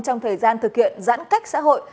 trong thời gian thực hiện giãn cách xã hội